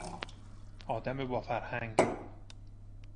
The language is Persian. آدم با فرهنگ